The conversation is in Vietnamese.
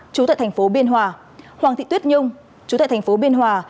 trú tại tp biên hòa hoàng thị tuyết nhung trú tại tp biên hòa